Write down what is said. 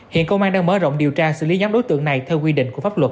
hiện công an đang mở rộng điều tra xử lý nhóm đối tượng này theo quy định của pháp luật